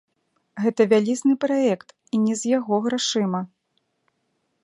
Гэта вялізны праект і не з яго грашыма.